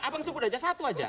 abang sebut aja satu aja